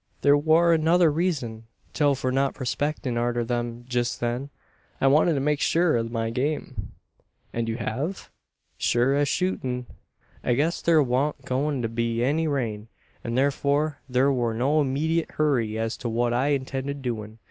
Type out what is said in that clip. There war another reezun still for not prospectin' arter them jest then. I wanted to make shur o' my game." "And you have?" "Shur as shootin'. I guessed thur wan't goin' to be any rain, an thurfor thur war no immeedyit hurry as to what I intended doin'.